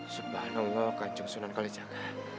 subhanallah kanjung sunan kalijat